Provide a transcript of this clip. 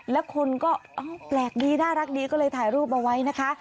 แล้วคนก็แปลกดีน่ารักดีก็เลยถ่ายรูปเอาไว้นะคะ